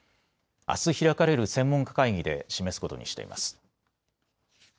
あす開かれる専門家会議で示すことにしています。